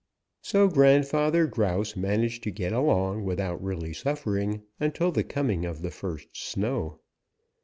"So Grandfather Grouse managed to get along without really suffering until the coming of the first snow.